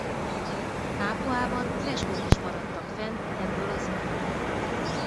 Capuában freskók is maradtak fenn ebből az időből.